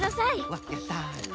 わっやった。